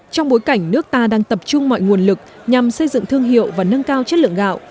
trong bối cảnh nước ta đang tập trung mọi nguồn lực nhằm xây dựng thương hiệu và nâng cao chất lượng gạo